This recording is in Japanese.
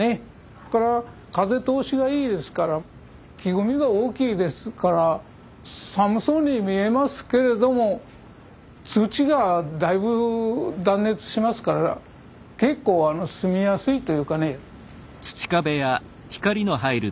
それから風通しがいいですから木組みが大きいですから寒そうに見えますけれども土がだいぶ断熱しますから結構住みやすいというかね。